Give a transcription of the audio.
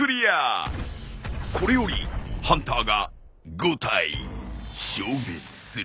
これよりハンターが５体消滅する。